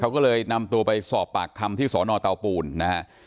เขาก็เลยนำตัวไปสอบปากคำที่สอนอเตาปูนนะฮะ